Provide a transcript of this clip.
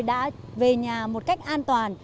đã về nhà một cách an toàn